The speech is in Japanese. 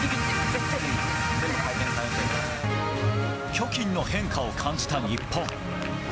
キョ・キンの変化を感じた日本。